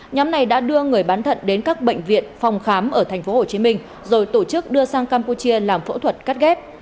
nhóm này đã đưa người bán thận đến các bệnh viện phòng khám ở tp hcm rồi tổ chức đưa sang campuchia làm phẫu thuật cắt ghép